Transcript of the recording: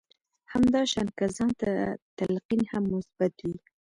همدا شان که ځان ته تلقين هم مثبت وي.